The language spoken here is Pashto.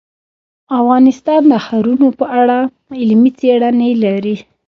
افغانستان د ښارونه په اړه علمي څېړنې لري.